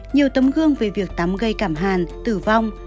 nhiều tấm gương về việc tắm gây cảm hàn tử vong